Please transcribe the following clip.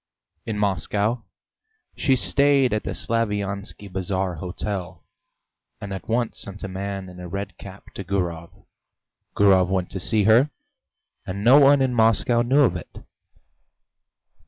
In Moscow she stayed at the Slaviansky Bazaar hotel, and at once sent a man in a red cap to Gurov. Gurov went to see her, and no one in Moscow knew of it.